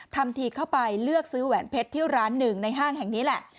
ทำทีเข้าไปเลือกซื้อแหวนเพชรที่ร้านหนึ่งในห้างแห่งนี้แหละ